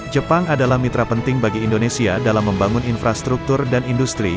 jepang adalah mitra penting bagi indonesia dalam membangun infrastruktur dan industri